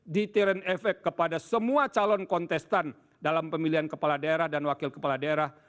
deteren efek kepada semua calon kontestan dalam pemilihan kepala daerah dan wakil kepala daerah